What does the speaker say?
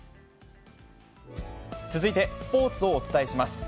続いてスポーツをお伝えします。